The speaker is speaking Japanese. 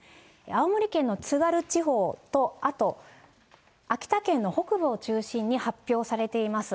青森県の津軽地方と、あと秋田県の北部を中心に発表されています。